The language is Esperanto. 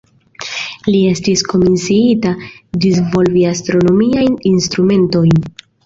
Li estis komisiita disvolvi astronomiajn instrumentojn.